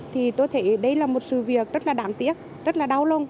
thì tôi thấy đây là một sự việc rất là đáng tiếc rất là đau lung